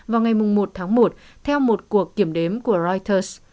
vào ngày một tháng một theo một cuộc kiểm đếm của reuters